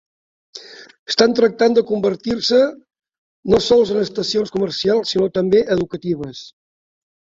Estan tractant de convertir-se no sols en estacions comercials sinó també educatives.